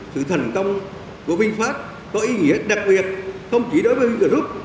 sự thành công của vinfast có ý nghĩa đặc biệt không chỉ đối với vingroup